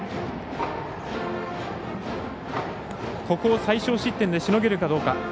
ここを最少失点でしのげるかどうか。